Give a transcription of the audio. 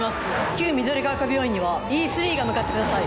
旧緑ヶ丘病院にはＥ３が向かってください。